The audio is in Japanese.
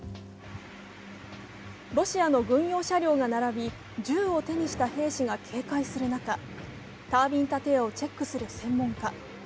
ロシアの軍用車両が並び銃を手にした兵士が警戒する中タービン建屋をチェックする専門家。